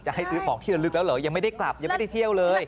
ให้ซื้อของที่ละลึกแล้วเหรอยังไม่ได้กลับยังไม่ได้เที่ยวเลย